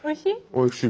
おいしい？